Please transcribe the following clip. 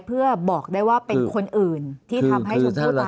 เพื่อบอกได้ว่าเป็นคนอื่นที่ทำให้ชมพู่ตาย